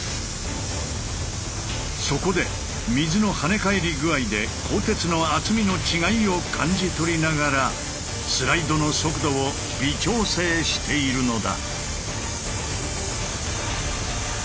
そこで水の跳ね返り具合で鋼鉄の厚みの違いを感じ取りながらスライドの速度を微調整しているのだ。